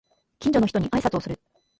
近所の人に挨拶をする